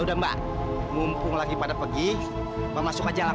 sampai jumpa di video selanjutnya